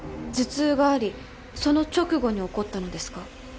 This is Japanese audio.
頭痛がありその直後に怒ったのですか？